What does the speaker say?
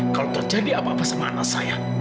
kalau terjadi apa apa sama anak saya